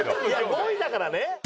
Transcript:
５位だからね。